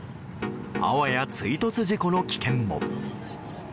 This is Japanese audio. あわや追突事故の危険も。